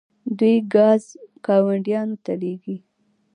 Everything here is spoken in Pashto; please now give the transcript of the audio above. دوی ګاز ګاونډیو ته لیږي.